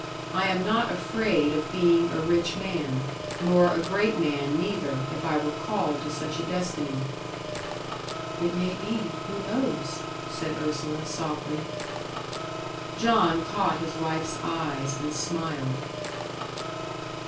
I am not afraid of being a rich man. Nor a great man neither, if I were called to such a destiny." "It may be who knows?" said Ursula, softly. John caught his wife's eyes, and smiled.